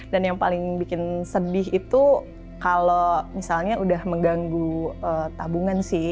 dan yang paling bikin sedih itu kalau misalnya udah mengganggu tabungan sih